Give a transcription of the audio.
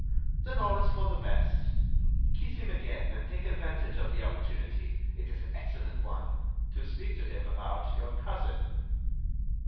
"Then all is for the best. Kiss him again, and take advantage of the opportunity—it is an excellent one—to speak to him about your cousin."